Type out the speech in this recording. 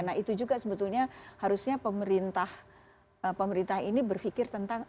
nah itu juga sebetulnya harusnya pemerintah ini berpikir tentang